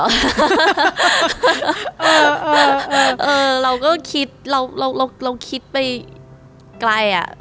เออเออเออเออเราก็คิดเราเราเราเราคิดไปไกลอ่ะ